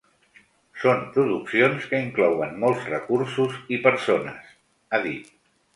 “Són produccions que inclouen molts recursos i persones”, ha dit.